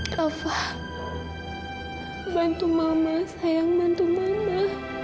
kava bantu mama sayang bantu mama